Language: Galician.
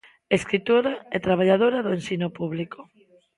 Escritora e traballadora do ensino público.